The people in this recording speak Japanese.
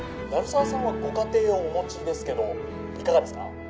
鳴沢さんはご家庭をお持ちですけどいかがですか？